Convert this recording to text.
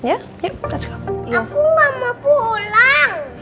aku gak mau pulang